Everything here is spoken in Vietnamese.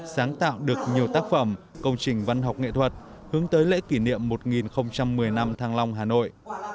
sáng tạo được nhiều tác phẩm công trình văn học nghệ thuật hướng tới lễ kỷ niệm một nghìn một mươi năm thăng long hà nội